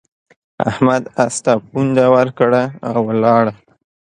احمد اس ته پونده ورکړه او ولاړ.